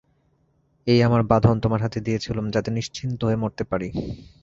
এই আমার বাঁধন তোমার হাতে দিয়েছিলুম যাতে নিশ্চিন্ত হয়ে মরতে পারি।